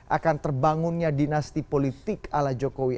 akan terbangunnya dinasti politik ala jokowi